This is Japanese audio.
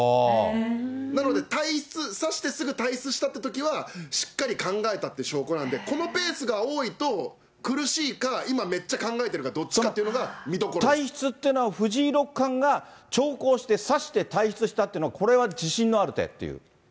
なので退室、指してすぐ退室したってときは、しっかり考えたって証拠なんで、このペースが多いと、苦しいか、今めっちゃ考えてるかどっちかっ退室っていうのは、藤井六冠が長考して、指して退室したっていうの、これは自信のある手っていう？